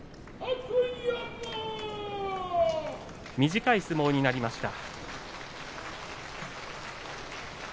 短い相撲になりました。